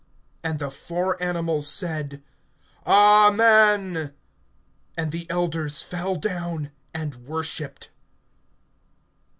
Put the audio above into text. (14)And the four animals said: Amen. And the elders fell down and worshiped.